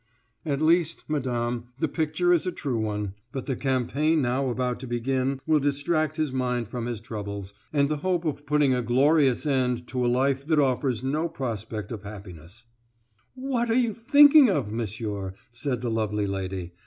"At least, madame, the picture is a true one, but the campaign now about to begin will distract his mind from his troubles, and the hope of putting a glorious end to a life that offers no prospect of happiness " "What are you thinking of, monsieur?" said the lovely lady.